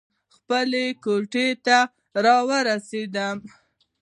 خپلې کوټې ته راورسېدم.